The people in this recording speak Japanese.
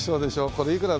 これいくら？